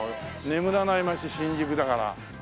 眠らない街新宿だから。